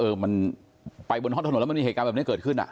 เออมันไปบนห้องถนนแล้วมันมีเหตุการณ์แบบนี้เกิดขึ้นอ่ะ